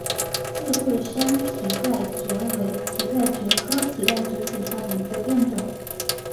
介贵山蹄盖蕨为蹄盖蕨科蹄盖蕨属下的一个变种。